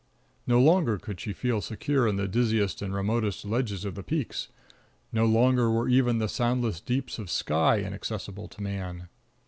No longer could she feel secure on the dizziest and remotest ledges of the peaks, no longer were even the soundless deeps of sky inaccessible to man!